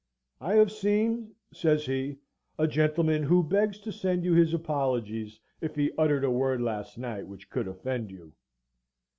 "I have seen," says he, "a gentleman who begs to send you his apologies if he uttered a word last night which could offend you."